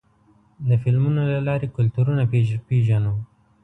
د فلمونو له لارې کلتورونه پېژنو.